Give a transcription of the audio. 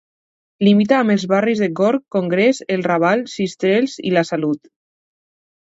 Limita amb els barris de Gorg, Congrés, El Raval, Sistrells i La Salut.